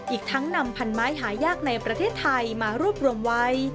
อีกทั้งนำพันไม้หายากในประเทศไทยมารวบรวมไว้